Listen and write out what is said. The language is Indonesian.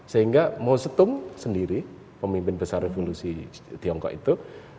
sehingga mo setung sendiri pemimpin besar revolusi tiongkok itu